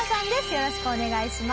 よろしくお願いします。